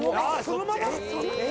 ・そのまま？